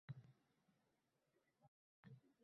Shunga qaramay, "Tottenxem" o'ziga ishongani qiziq